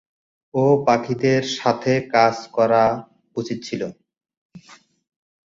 ওহ, পাখিদের সাথে কাজ করা উচিত ছিল।